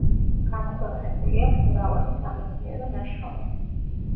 გამოქვეყნებული აქვს მრავალი სამეცნიერო ნაშრომი.